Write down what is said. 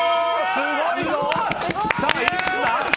すごいぞ！